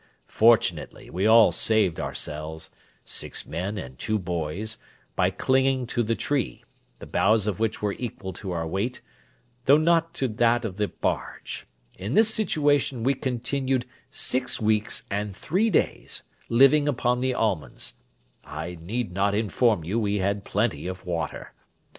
Fortunately we all saved ourselves (six men and two boys) by clinging to the tree, the boughs of which were equal to our weight, though not to that of the barge: in this situation we continued six weeks and three days, living upon the almonds; I need not inform you we had plenty of water.